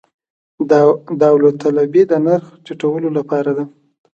داوطلبي د نرخ ټیټولو لپاره ده